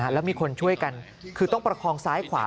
แล้วมีคนช่วยกันคือต้องประคองซ้ายขวา